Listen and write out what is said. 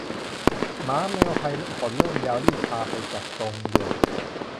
หมาแมวใครขนเริ่มยาว รีบพาไปจัดทรงด่วน